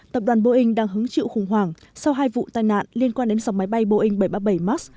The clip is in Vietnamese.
tập đoàn boeing đang hứng chịu khủng hoảng sau hai vụ tai nạn liên quan đến dòng máy bay boeing bảy trăm ba mươi bảy max